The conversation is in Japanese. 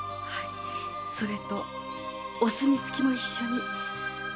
それとお墨付きも一緒に。